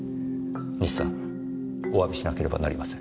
西さんお詫びしなければなりません。